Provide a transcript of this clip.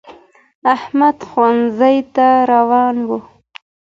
احمد ښونځی تا روان وو